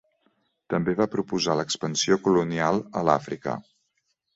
També va proposar l'expansió colonial a l'Àfrica.